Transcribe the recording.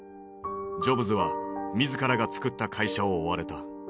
ジョブズは自らがつくった会社を追われた。